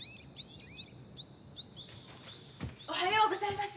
おはようございます。